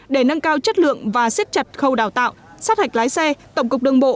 để nâng cao chất lượng và xếp chặt khâu đào tạo sát hạch lái xe tổng cục đường bộ